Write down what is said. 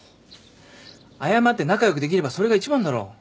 謝って仲良くできればそれが一番だろ。